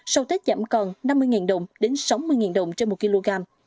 sau tết giảm còn năm mươi đồng đến sáu mươi đồng trên một kg